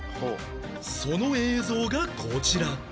その映像がこちら